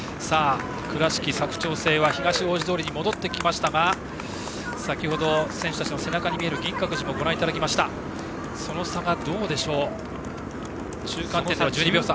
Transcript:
倉敷と佐久長聖は東大路通に戻ってきましたが先程、選手たちの背中に見える銀閣寺をご覧いただきましたがその差が１３秒差。